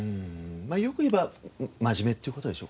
よく言えば真面目っていう事でしょうかね？